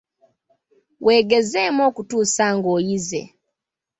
Weegezeemu okutuusa ng'oyize.